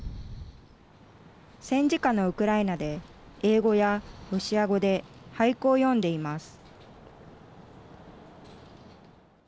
戦時下のウクライナで英語やロシア語で俳句を詠んでいます。